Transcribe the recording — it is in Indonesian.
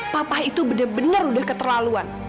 papa itu benar benar udah keterlaluan